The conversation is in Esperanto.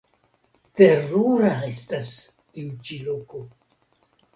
Terura estas tiu ĉi loko.